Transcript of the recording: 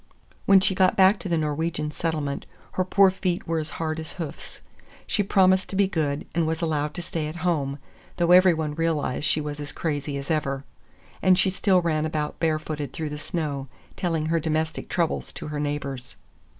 When she got back to the Norwegian settlement, her poor feet were as hard as hoofs. She promised to be good, and was allowed to stay at home—though every one realized she was as crazy as ever, and she still ran about barefooted through the snow, telling her domestic troubles to her neighbors.